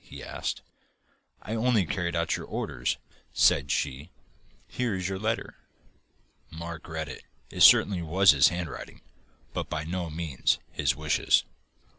he asked. 'I only carried out your orders,' said she. 'Here is your letter.' Mark read it. It certainly was his handwriting, but by no means his wishes.